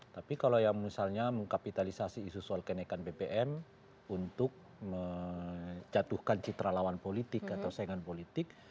tapi kalau yang misalnya mengkapitalisasi isu soal kenaikan bbm untuk menjatuhkan citra lawan politik atau saingan politik